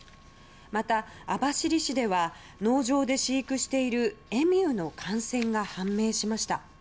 また、網走市では農場で飼育しているエミューの感染が判明しました。